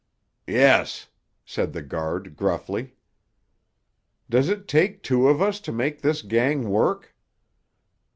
"Yes," said the guard gruffly. "Does it take two of us to make this gang work?"